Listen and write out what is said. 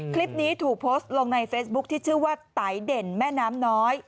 คลิปนี้ถูกโพสต์ลงในเฟซบุ๊คที่ชื่อว่าไตเด่นแม่น้ำน้อย